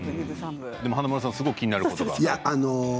華丸さん、すごく気になることが。